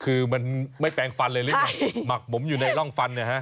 คือมันไม่แปลงฟันเลยหรือหมักหมมอยู่ในร่องฟันเนี่ยฮะ